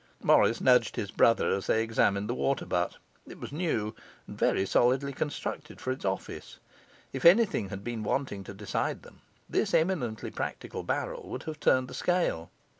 Morris nudged his brother as they examined the water butt. It was new, and very solidly constructed for its office. If anything had been wanting to decide them, this eminently practical barrel would have turned the scale.